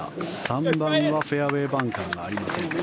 ３番はフェアウェーバンカーがありません。